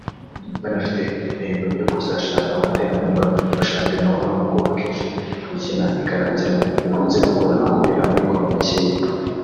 Banafite intego yo kuzashaka umuterankunga wa shampiyona uhoraho kuko akenshi kuyikina ikarangira bikunze kugorana kubera amikoro makeya